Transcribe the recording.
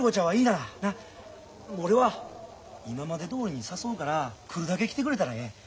俺は今までどおりに誘うから来るだけ来てくれたらええ。